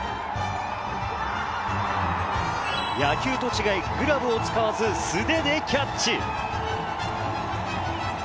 野球と違い、グラブを使わず素手でキャッチ。